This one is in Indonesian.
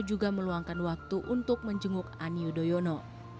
juga meluangkan waktu untuk menjenguk ani yudhoyono